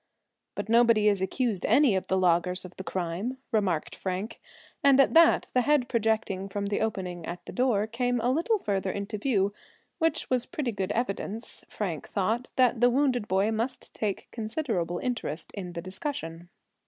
"But nobody has accused any of the loggers of the crime," remarked Frank, and at that the head projecting from the opening at the door came a little further into view; which was pretty good evidence, Frank thought, that the wounded boy must take considerable interest in the discussion.